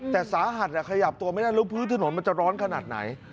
แต่สาหัสขยับตัวไม่ได้แล้วพื้นถนนมันจะร้อนขนาดไหน